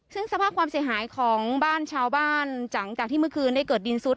ซึ่งสภาพความเสียหายของบ้านชาวบ้านหลังจากที่เมื่อคืนได้เกิดดินซุด